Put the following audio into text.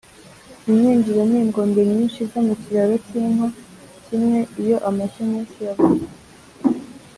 Imyinjiro ni ingombe nyinshi zo mu kiraro cy'inka kimwe Iyo amashyo menshi yabuze